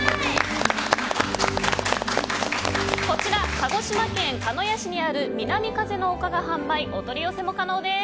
こちら、鹿児島県鹿屋市にある南風の丘が販売お取り寄せも可能です。